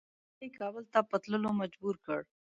هغه یې کابل ته په تللو مجبور کړ.